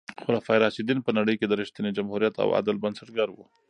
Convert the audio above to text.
خلفای راشدین په نړۍ کې د رښتیني جمهوریت او عدل بنسټګر وو.